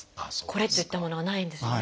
これといったものがないんですね。